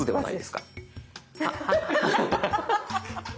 はい。